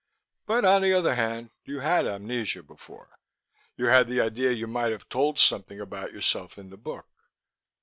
But on the other hand, you had amnesia before; you had the idea you might have told something about yourself in the book...."